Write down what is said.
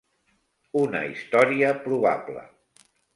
Una història probable!